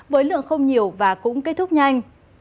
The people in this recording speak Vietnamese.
với lượng không nhiều và cũng kết thúc nhanh